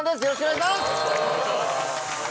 よろしくお願いします。